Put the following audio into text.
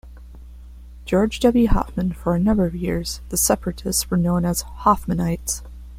George W. Hoffman, for a number of years the separatists were known as "Hoffmanites".